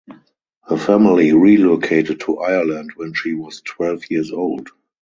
Her family relocated to Ireland when she was twelve years old.